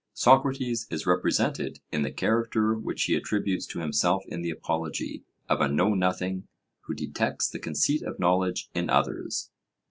Socrates is represented in the character which he attributes to himself in the Apology of a know nothing who detects the conceit of knowledge in others.